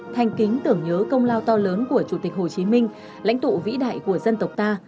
thanh kính tưởng nhớ công lao to lớn của chủ tịch hồ chí minh lãnh tụ vĩ đại của dân tộc ta